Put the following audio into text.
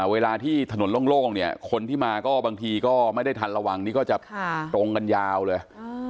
เวลาที่ถนนโล่งเนี่ยคนที่มาก็บางทีก็ไม่ได้ทันระวังนี่ก็จะตรงกันยาวเลย